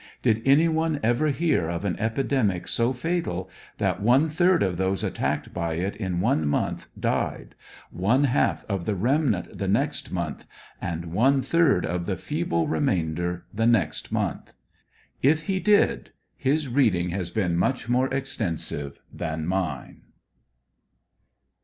Did anyone ever hear of an epidemic so fatal that one third of those attacked by it in one month died; one half of the remnant the next month, and one third of the feeble remainder the next month? If he did his reading has been much more extensive than mine.